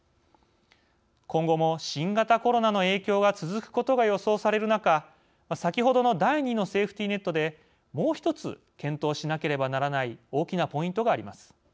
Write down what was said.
今後も新型コロナの影響が続くことが予想される中先ほどの第２のセーフティーネットでもう１つ検討しなければならない大きなポイントがあります。